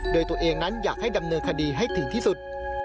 โดยตัวเองนั้นอยากให้ดำเนินคดีให้ถึงที่สุด